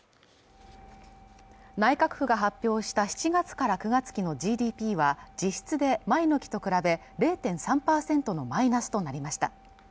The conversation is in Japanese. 内閣府が発表した７月から９月期のＧＤＰは実質で前の期と比べ０．３％のマイナスとなりました